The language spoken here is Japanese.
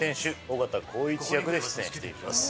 緒方航一役で出演しています。